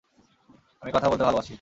আমি কথা বলতে ভালোবাসি।